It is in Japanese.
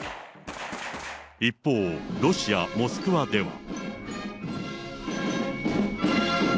一方、ロシア・モスクワでは。